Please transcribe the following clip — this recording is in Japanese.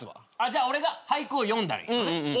じゃあ俺が俳句を詠んだらいいのね。